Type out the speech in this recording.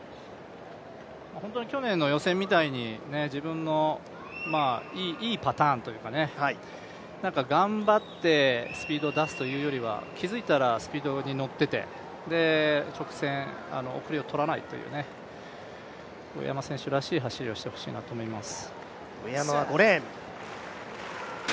本当に去年の予選みたいに、自分のいいパターンというか頑張ってスピードを出すというよりは、気づいたらスピードに乗ってて、直線、おくれをとらないという上山選手らしい走りをしてほしいなと思います。